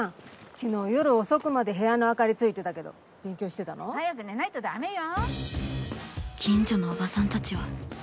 昨日夜遅くまで部屋の明かりついてたけど勉強してたの？早く寝ないとダメよ。